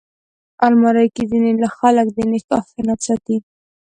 الماري کې ځینې خلک د نکاح سند ساتي